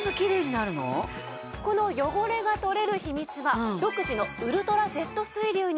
この汚れが取れる秘密は独自のウルトラジェット水流にあるんです。